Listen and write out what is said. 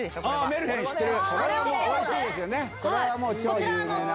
メルヘン、知ってる。